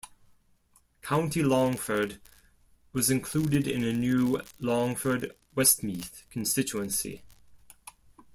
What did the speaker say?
County Longford was included in a new Longford-Westmeath constituency.